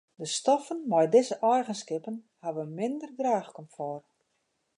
De stoffen mei dizze eigenskippen hawwe minder draachkomfort.